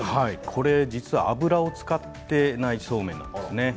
これは実は油を使っていない、そうめんですね。